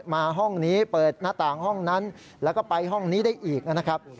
มาห้องนี้เปิดหน้าต่างห้องนั้นแล้วก็ไปห้องนี้ได้อีกนะครับ